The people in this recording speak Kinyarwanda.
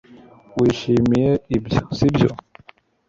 wishimiye ibyo, sibyo